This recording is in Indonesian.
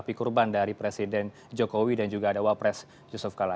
sapi korban dari presiden jokowi dan juga ada wapres yusuf kalla